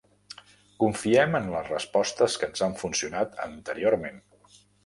Confiem en les respostes que ens han funcionat anteriorment.